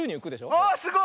あすごい！